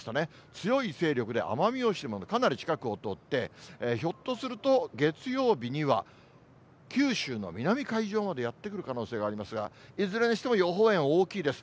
強い勢力で、奄美大島のかなり近くを通って、ひょっとすると、月曜日には九州の南海上までやって来る可能性がありますが、いずれにしても予報円、大きいです。